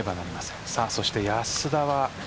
そして、安田は。